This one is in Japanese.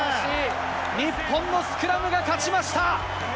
日本のスクラムが勝ちました。